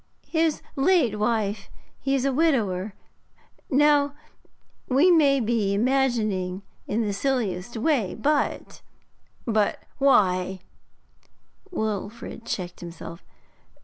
'His late wife; he is a widower. Now we may be imagining in the silliest way, but ' 'But why ' Wilfrid checked himself.